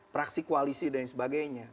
praksi koalisi dan sebagainya